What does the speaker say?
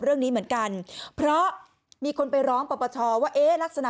เรื่องนี้เหมือนกันเพราะมีคนไปร้องปรปชว่าเอ๊ะลักษณะ